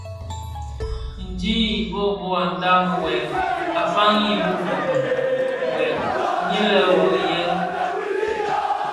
Ndhi i Mbhöbhög a ndhami wuèl a faňi bi gul nwe lè: wuodhi yèn !